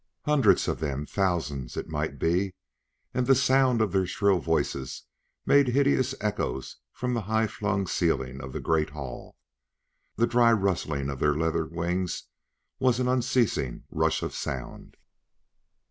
Hundreds of them thousands, it might be and the sound of their shrill voices made hideous echoes from the high flung ceiling of the great hall. The dry rustling of their leather wings was an unceasing rush of sound.